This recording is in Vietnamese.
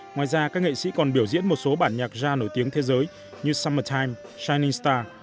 ngoài ra các nghệ sĩ còn biểu diễn một số bản nhạc gia nổi tiếng thế giới như summertime shining star